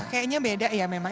kayaknya beda ya memang